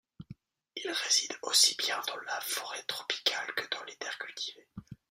Il réside aussi bien dans la forêt tropicale que dans les terres cultivées.